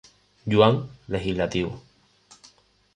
Yuan Legislativo.